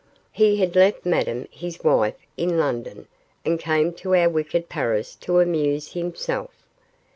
He had left Madame his wife in London, and came to our wicked Paris to amuse himself.